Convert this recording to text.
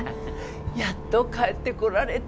やっと帰ってこられた。